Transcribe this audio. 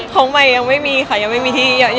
ของใหม่ยังไม่มีค่ะยังไม่มีที่เยอะ